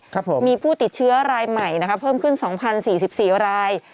ครับผมมีผู้ติดเชื้อรายใหม่นะคะเพิ่มขึ้น๒๐๔๔ราย